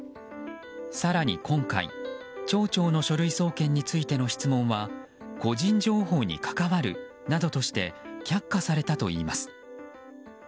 更に今回町長の書類送検についての質問は個人情報に関わるなどとして却下されたといいます。